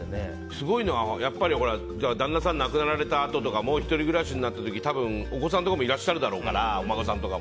すごいのは旦那さんが亡くなられたあととか１人暮らしになった時にお子さんとかもいらっしゃるだろうからお孫さんとか。